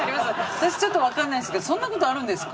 私ちょっとわかんないですけどそんな事あるんですか？